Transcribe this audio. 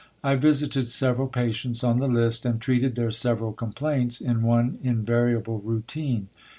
I visited several patients on the list, and treated their several corhplaints in one invariable routine.